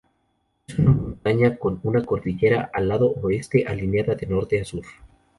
Es muy montañosa, con una cordillera al lado oeste, alineada de norte a sur.